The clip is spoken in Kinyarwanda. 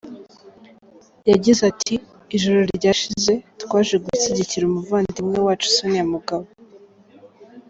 Yagize ati “Ijoro ryashije twaje gushyigikira umuvandimwe wacu Sonia Mugabo.